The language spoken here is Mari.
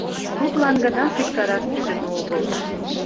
Тудлан гына шижтараш шӱдымӧ огыл.